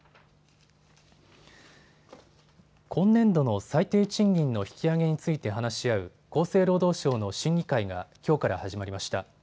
今年度の最低賃金の引き上げについて話し合う厚生労働省の審議会がきょうから始まりました。